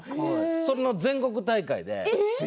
その全国大会で。